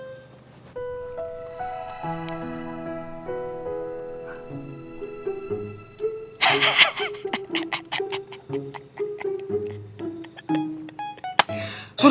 bener rasanya gua jadi sharing uratnya